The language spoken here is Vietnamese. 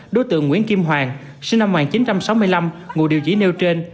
đối tượng nguyễn kim hoàng sinh năm một nghìn chín trăm sáu mươi năm ngụ địa chỉ nêu trên